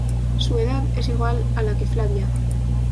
Su edad es igual a la que Flavia.